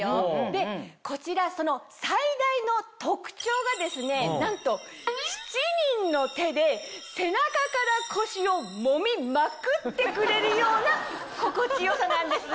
でこちらその最大の特徴がですねなんと７人の手で背中から腰をもみまくってくれるような心地よさなんです。